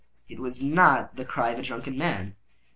It was not the cry of a drunken man.